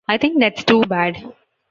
I think that's too bad.